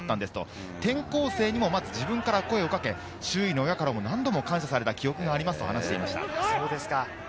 転校生にも自分から声をかけて周囲の親からも何度も感謝された記憶があると話しています。